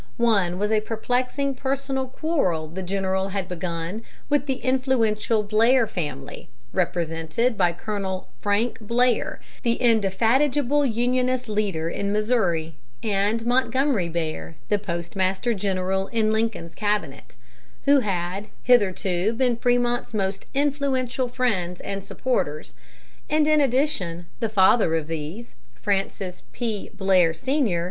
One was a perplexing personal quarrel the general had begun with the influential Blair family, represented by Colonel Frank Blair, the indefatigable Unionist leader in Missouri, and Montgomery Blair, the postmaster general in Lincoln's cabinet, who had hitherto been Frémont's most influential friends and supporters; and, in addition, the father of these, Francis P. Blair, Sr.